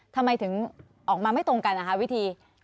ทำไมถึงออกมาไม่ตรงกันนะคะวิธี